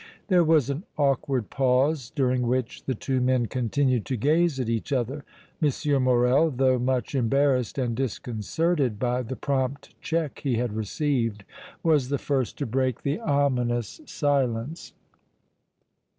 There was an awkward pause, during which the two men continued to gaze at each other. M. Morrel, though much embarrassed and disconcerted by the prompt check he had received, was the first to break the ominous silence.